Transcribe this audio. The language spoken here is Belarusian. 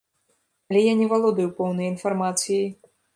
Але я не валодаю поўнай інфармацыяй.